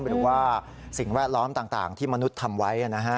หรือว่าสิ่งแวดล้อมต่างที่มนุษย์ทำไว้